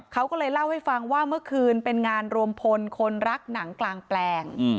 เขาก็เลยเล่าให้ฟังว่าเมื่อคืนเป็นงานรวมพลคนรักหนังกลางแปลง